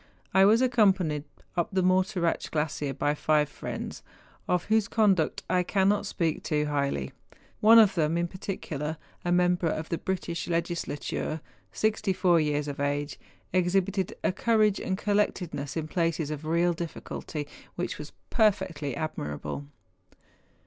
I was accompanied up the Morteratsch glacier by five friends, of whose conduct I cannot speak too highly. One of them in particular, a member of the British Legislature, sixty four years of age, exhibited a courage and collectedness in places of real difficulty, which was perfectly admirable.